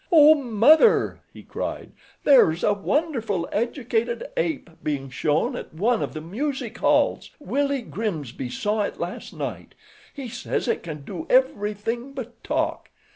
"Oh, Mother," he cried, "there's a wonderful, educated ape being shown at one of the music halls. Willie Grimsby saw it last night. He says it can do everything but talk.